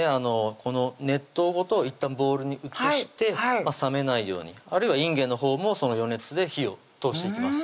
この熱湯ごといったんボウルに移して冷めないようにあるいはいんげんのほうもその余熱で火を通していきます